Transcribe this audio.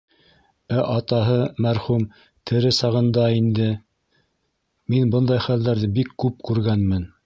Ә атаһы мәрхүм тере сағында инде, мин бындай хәлдәрҙе бик күп күргәнмен.